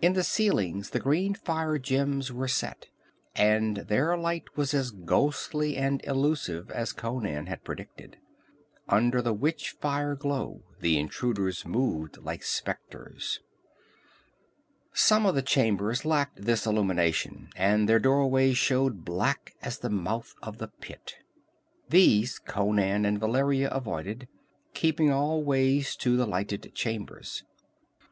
In the ceilings the green fire gems were set, and their light was as ghostly and illusive as Conan had predicted. Under the witch fire glow the intruders moved like specters. Some of the chambers lacked this illumination, and their doorways showed black as the mouth of the Pit. These Conan and Valeria avoided, keeping always to the lighted chambers.